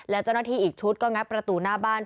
และเจ้าหน้าที่อีกชุดก็งัดประตูหน้าบ้าน